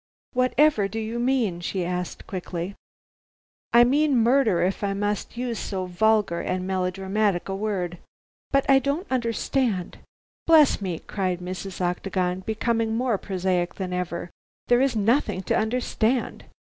"Whatever do you mean?" she asked quickly. "I mean murder, if I must use so vulgar and melodramatic a word." "But I don't understand " "Bless me," cried Mrs. Octagon, becoming more prosaic than ever, "there is nothing to understand.